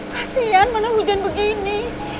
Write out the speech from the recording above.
kasian mana hujan begini